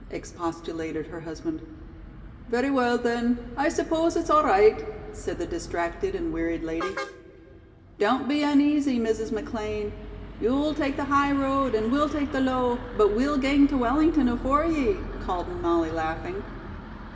expostulated her husband. "Very well, then. I suppose it's all right," said the distracted and wearied lady. "Don't be uneasy, Mrs. McLean. You'll tak' the high road and we'll tak' the low, but we'll gang to Wellington afore ye," called Molly laughing.